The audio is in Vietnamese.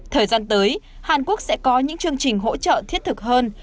thời gian tới hàn quốc sẽ có những chương trình hỗ trợ thiết thực hơn